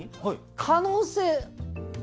可能性。